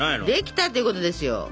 できたってことですよ。